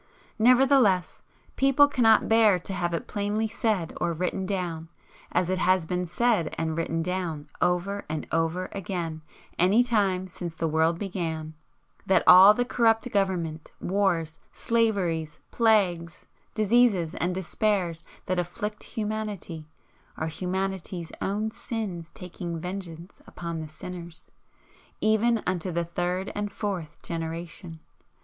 Nevertheless, people cannot bear to have it plainly said or written down, as it has been said and written down over and over again any time since the world began, that all the corrupt government, wars, slaveries, plagues, diseases and despairs that afflict humanity are humanity's own sins taking vengeance upon the sinners, 'even unto the third and fourth generation.'